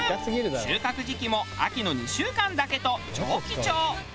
収穫時期も秋の２週間だけと超貴重。